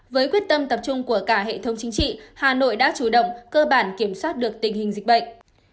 với quyết tâm tập trung của cả hệ thống chính trị hà nội đã chủ động cơ bản kiểm soát được tình hình dịch bệnh